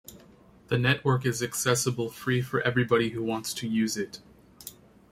The network is accessible free for everybody who wants to use it.